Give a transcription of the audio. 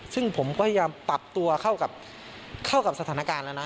ซึ่งผมก็พยายามปรับตัวเข้ากับสถานการณ์แล้วนะ